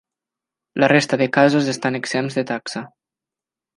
La resta de casos estan exempts de taxa.